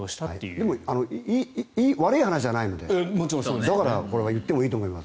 でも、悪い話じゃないのでだからこれは言ってもいいと思います。